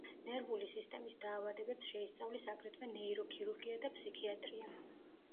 ნერვული სისტემის დაავადებებს შეისწავლის აგრეთვე ნეიროქირურგია და ფსიქიატრია.